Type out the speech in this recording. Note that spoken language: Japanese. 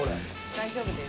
大丈夫です。